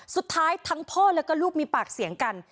สุดท้ายทั้งพ่อแล้วก็ลูกมีปากเสียงกัน